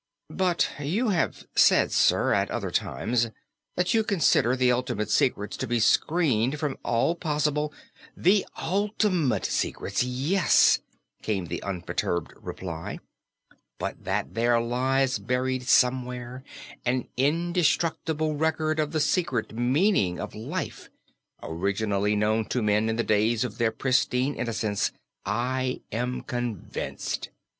"But you have said, sir, at other times, that you consider the ultimate secrets to be screened from all possible " "The ultimate secrets, yes," came the unperturbed reply; "but that there lies buried somewhere an indestructible record of the secret meaning of life, originally known to men in the days of their pristine innocence, I am convinced.